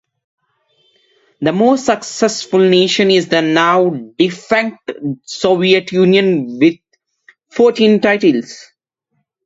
The most successful nation is the now defunct Soviet Union with fourteen titles.